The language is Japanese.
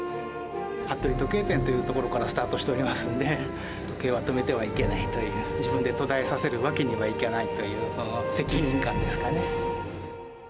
服部時計店というところからスタートしておりますんで、時計は止めてはいけないという、自分で途絶えさせるわけにはいかないという、責任感ですかね。